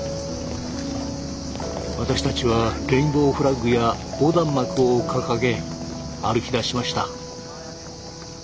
私たちはレインボーフラッグや横断幕を掲げ歩きだしました。